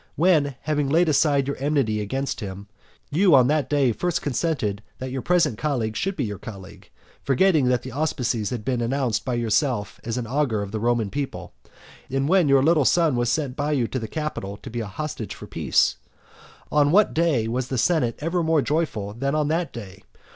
when, having laid aside your enmity against him, you on that day first consented that your present colleague should be your colleague, forgetting that the auspices had been announced by yourself as augur of the Roman people; and when your little son was sent by you to the Capitol to be a hostage for peace. On what day was the senate ever more joyful than on that day?